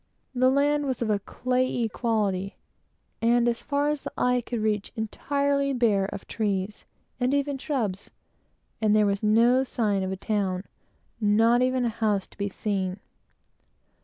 The land was of a clayey consistency, and, as far as the eye could reach, entirely bare of trees and even shrubs; and there was no sign of a town, not even a house to be seen.